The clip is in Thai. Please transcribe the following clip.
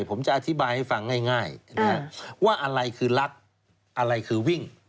ผมจะอธิบายให้ฟังง่ายว่าอะไรคือรักอะไรคือวิ่ง